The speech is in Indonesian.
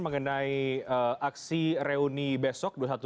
mengenai aksi reuni besok dua ratus dua belas